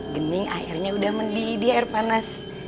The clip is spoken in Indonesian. gening airnya udah mendidih di air panas